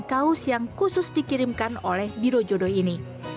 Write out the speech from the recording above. kaos yang khusus dikirimkan oleh biro jodoh ini